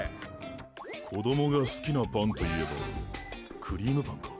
子どもが好きなパンといえばクリームパンか？